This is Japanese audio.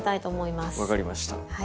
分かりました。